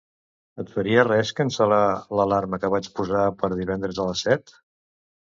Et faria res cancel·lar l'alarma que vaig posar per divendres a les set?